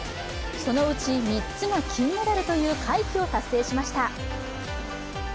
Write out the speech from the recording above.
そのうち３つが金メダルという快挙を達成しました。